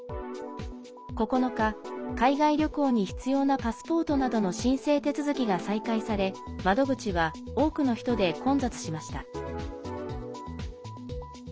９日、海外旅行に必要なパスポートなどの申請手続きが再開され窓口は多くの人で混雑しました。